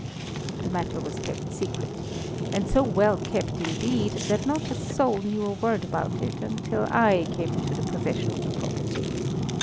"The matter was kept secret, and so well kept indeed, that not a soul knew a word about it until I came into possession of the property.